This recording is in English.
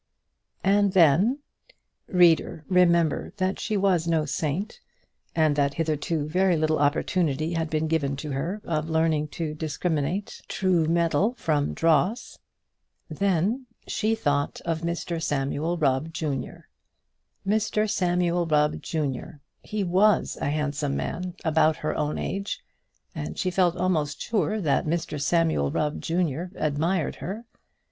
And then Reader! remember that she was no saint, and that hitherto very little opportunity had been given to her of learning to discriminate true metal from dross. Then she thought of Mr Samuel Rubb, junior. Mr Samuel Rubb, junior, was a handsome man, about her own age; and she felt almost sure that Mr Samuel Rubb, junior, admired her.